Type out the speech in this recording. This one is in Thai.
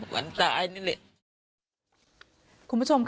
วันตายนี่เลย